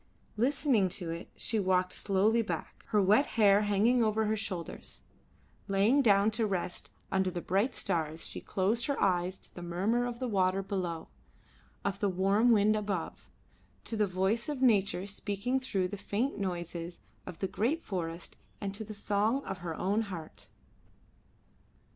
Listening to it she walked slowly back, her wet hair hanging over her shoulders; laying down to rest under the bright stars, she closed her eyes to the murmur of the water below, of the warm wind above; to the voice of nature speaking through the faint noises of the great forest, and to the song of her own heart.